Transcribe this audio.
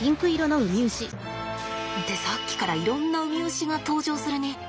ってさっきからいろんなウミウシが登場するね。